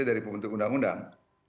dari pembentuk undang undang